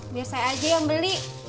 biar saya aja yang beli